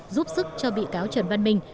giúp sức cho bị cáo trần văn minh